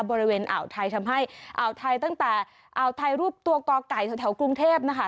บริเวณอ่าวไทยทำให้อ่าวไทยตั้งแต่อ่าวไทยรูปตัวก่อไก่แถวกรุงเทพนะคะ